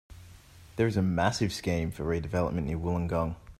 There is a massive scheme for redevelopment near Wollongong.